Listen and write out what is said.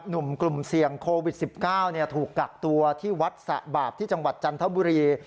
หนุ่มกลุ่มเสี่ยงโควิด๑๙ถูกกักตัวที่วัดสะบาปที่จังหวัดจันทบุรี